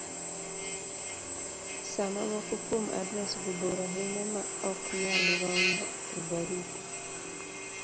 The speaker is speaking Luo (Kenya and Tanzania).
Sama moko kuom adresgo bor ahinya maok nyal romo e barupe